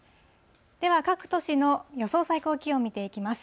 では各都市の予想最高気温見ていきます。